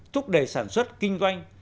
thúc đẩy sản xuất kinh doanh